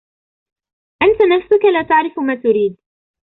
أنت نفسك لا تعرف ما تريد.